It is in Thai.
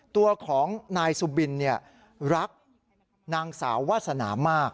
ตัวของนายสุบินรักนางสาววาสนามาก